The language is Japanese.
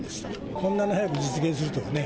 こんなに早く実現するとはね。